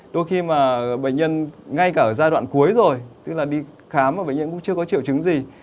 đôi khi mà bệnh nhân ngay cả ở giai đoạn cuối rồi tức là đi khám mà bệnh nhân cũng chưa có triệu chứng gì